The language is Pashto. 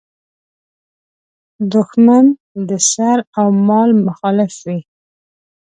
دوښمن د سر او مال مخالف وي.